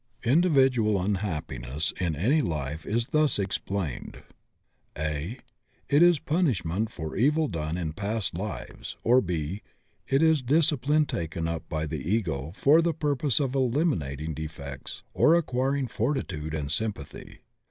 Individual unhappiness in any life is thus explained: (a) It is punishment for evil done in past lives; or (b) is is discipline taken up by the Ego for the pur pose of eliminating defects or acquiring fortitude and sympathy.